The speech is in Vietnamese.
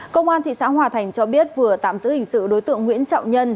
công an thị xã hòa thành cho biết vừa tạm giữ hình sự đối tượng nguyễn trọng nhân